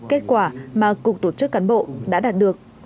kết quả mà cục tổ chức cán bộ đã đạt được